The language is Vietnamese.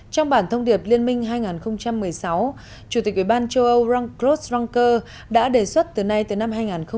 trong bản thông điệp liên minh hai nghìn một mươi sáu chủ tịch uban châu âu klaus ranker đã đề xuất từ nay tới năm hai nghìn hai mươi